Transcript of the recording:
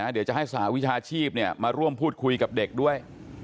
เดี๋ยวจะให้สหวิชาชีพมาร่วมพูดคุยกับเด็กด้วย